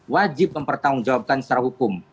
wajib mempertanggung jawabkan secara hukum